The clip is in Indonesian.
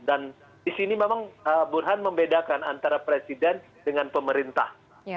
dan di sini memang burhan membedakan antara presiden dengan pemerintah